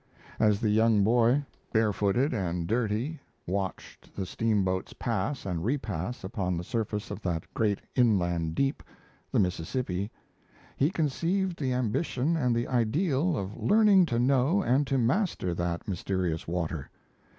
As the young boy, barefooted and dirty, watched the steamboats pass and repass upon the surface of that great inland deep, the Mississippi, he conceived the ambition and the ideal of learning to know and to master that mysterious water.